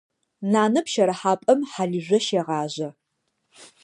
Нанэ пщэрыхьапӏэм хьалыжъо щегъажъэ.